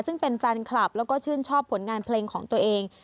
ซึ่งเป็นแฟนคลับแล้วก็ชื่นชอบผลงานเพลงของตัวเอง